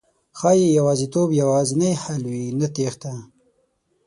ښایي يوازېتوب یوازېنی حل وي، نه تېښته